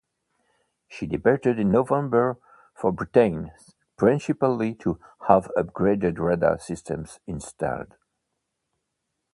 She departed in November for Britain, principally to have upgraded radar systems installed.